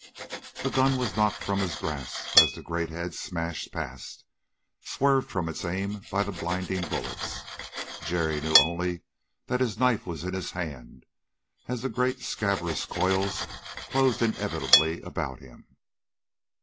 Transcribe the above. The gun was knocked from his grasp as the great head smashed past, swerved from its aim by the blinding bullets. Jerry knew only that his knife was in his hand as the great scabrous coils closed inevitably about him.